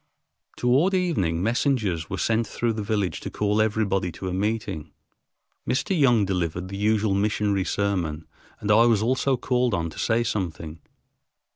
Toward evening messengers were sent through the village to call everybody to a meeting. Mr. Young delivered the usual missionary sermon and I also was called on to say something.